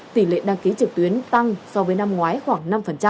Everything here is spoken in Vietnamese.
tỷ lệ đăng ký trực tuyến tăng so với năm ngoái khoảng năm